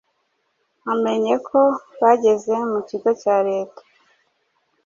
amenye ko bageze mu kigo cya leta